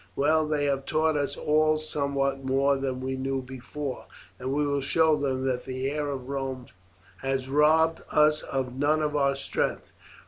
Well, they have taught us all somewhat more than we knew before, and we will show them that the air of Rome has robbed us of none of our strength.